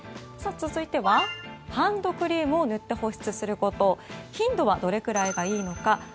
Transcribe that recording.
続いては、ハンドクリームを塗って保湿すること頻度はどれくらいがいいのか。